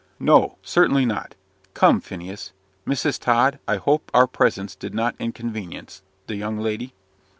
"No certainly not. Come, Phineas. Mrs. Tod, I hope our presence did not inconvenience the young lady?"